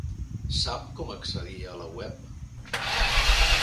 Sap com accedir a la web?